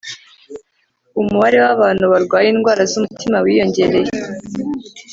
umubare w'abantu barwaye indwara z'umutima wiyongereye